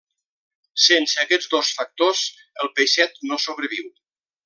Sense aquests dos factors, el peixet no sobreviu.